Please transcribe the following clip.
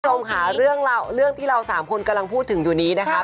คุณผู้ชมค่ะเรื่องที่เราสามคนกำลังพูดถึงอยู่นี้นะคะ